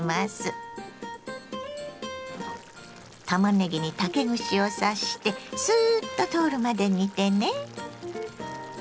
たまねぎに竹串を刺してスーッと通るまで煮てね。